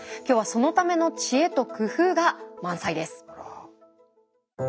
今日はそのための知恵と工夫が満載です。